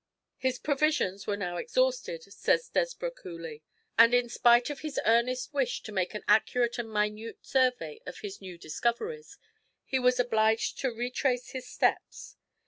"His provisions were now exhausted," says Desborough Coolley, "and in spite of his earnest wish to make an accurate and minute survey of his new discoveries, he was obliged to retrace his steps.